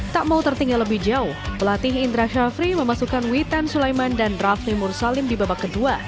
tak mau tertinggal lebih jauh pelatih indra syafri memasukkan witan sulaiman dan rafli mursalim di babak kedua